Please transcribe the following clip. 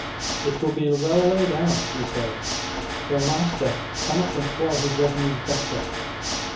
"It will be well laid out," he said: "your master cannot employ his revenues better.